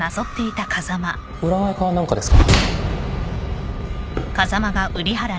占いか何かですか？